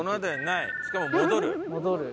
しかも戻る？